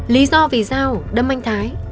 lý do vì dao đâm anh thái